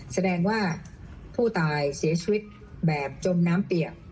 แสดงว่าผู้ตายเสียชีวิตแบบจมน้ำเปียก